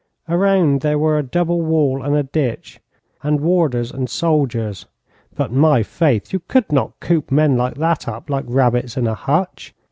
Around there were a double wall and a ditch, and warders and soldiers; but, my faith! you could not coop men like that up like rabbits in a hutch!